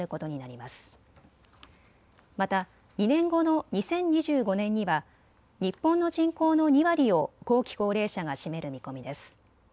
また２年後の２０２５年には日本の人口の２割を後期高齢者が占める見込みです。